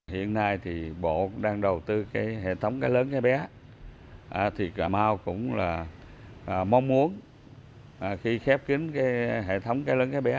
hiện nay bộ đang đầu tư hệ thống cái lớn cái bé thì cà mau cũng mong muốn khi khép kín hệ thống cái lớn cái bé